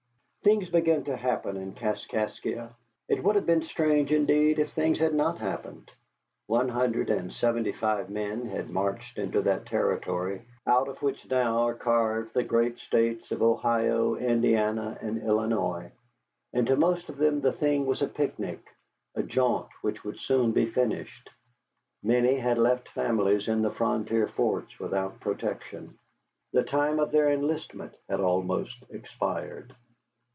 Things began to happen in Kaskaskia. It would have been strange indeed if things had not happened. One hundred and seventy five men had marched into that territory out of which now are carved the great states of Ohio, Indiana, and Illinois, and to most of them the thing was a picnic, a jaunt which would soon be finished. Many had left families in the frontier forts without protection. The time of their enlistment had almost expired.